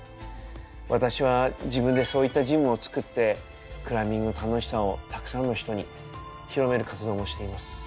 私は自分でそういったジムを作ってクライミングの楽しさをたくさんの人に広める活動もしています。